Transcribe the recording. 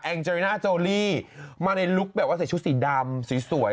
เจอริน่าโจลี่มาในลุคแบบว่าใส่ชุดสีดำสีสวย